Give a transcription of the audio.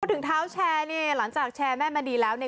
พอถึงเท้าแชร์เนี่ยหลังจากแชร์แม่นมาดีแล้วเนี่ย